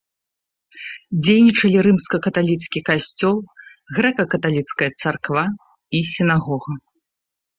Дзейнічалі рымска-каталіцкі касцёл, грэка-каталіцкая царква і сінагога.